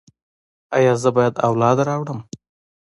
ایا زه باید اولاد راوړم؟